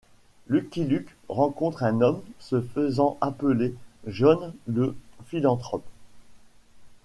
Lucky Luke rencontre un homme se faisant appeler John le Philanthrope.